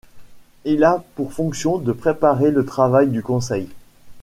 Il a pour fonction de préparer le travail du Conseil.